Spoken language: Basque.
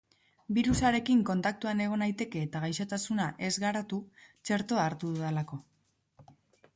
Birusarekin kontaktuan egon naiteke eta gaixotasuna ez garatu, txertoa hartu dudalako.